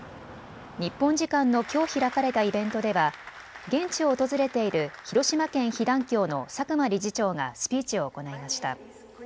日本時間のきょう開かれたイベントでは現地を訪れている広島県被団協の佐久間理事長がスピーチを行いました。